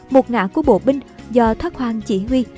một ngã của bộ binh do thoát hoàng chỉ huy